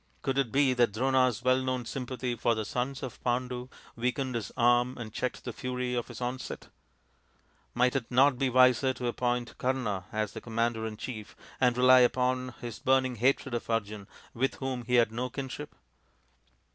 Could it be that Drona's well known sympathy for the sons of Pandu weakened his arm and checked the fury of his onset ? Might it not be wiser to appoint Kama as commander in chief and rely upon his burning hatred of Arjun, with whom he had no kinship